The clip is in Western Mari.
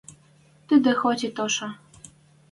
Тӹдӹ хоть и тоша